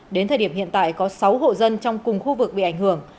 đến thời điểm hiện tại có sáu hộ dân trong cùng khu vực bị ảnh hưởng